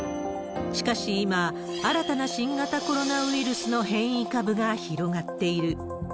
しかし今、新たな新型コロナウイルスの変異株が広がっている。